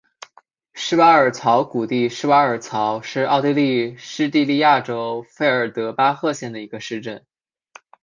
施瓦尔曹谷地施瓦尔曹是奥地利施蒂利亚州费尔德巴赫县的一个市镇。